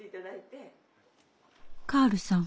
カールさん